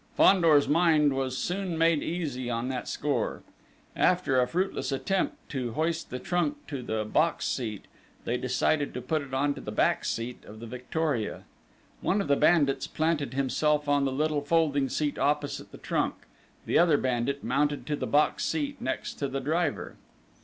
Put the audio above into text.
Fandor's mind was soon made easy on that score. After a fruitless attempt to hoist the trunk to the box seat, they decided to put it on to the back seat of the Victoria. One of the bandits planted himself on the little folding seat opposite the trunk: the other bandit mounted to the box seat next the driver.